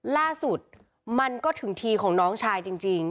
ล่าสุดมันก็ถึงทีของน้องชายจริง